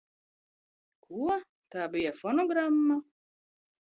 Ko? Tā bija fonogramma?